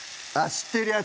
知ってるやつ！